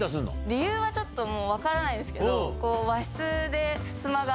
理由はちょっと分からないんですけど。